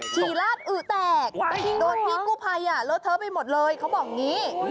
ฉี่ราดอื้อแตกโดนพี่กู้ไพเลือดเธอไปหมดเลยเขาบอกอย่างนี้